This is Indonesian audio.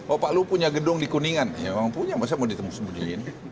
oh pak luhut punya gedung di kuningan ya orang punya masa mau ditemukan